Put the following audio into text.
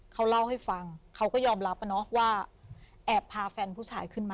เขาเล่าให้ฟังเขาก็ยอมรับว่าแอบพาแฟนผู้ชายขึ้นมา